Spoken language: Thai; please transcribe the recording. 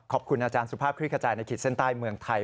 ขอบคุณอาจารย์สุภาพคลิกกระจายนาคิดเซ็นต์ใต้เมืองไทย